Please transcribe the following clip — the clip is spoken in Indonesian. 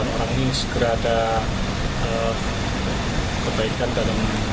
delapan orang ini segera ada kebaikan dalam